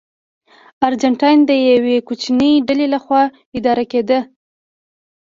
ارجنټاین د یوې کوچنۍ ډلې لخوا اداره کېده.